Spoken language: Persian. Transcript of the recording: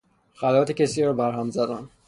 خلوت کسی را بههم زدن